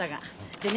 でね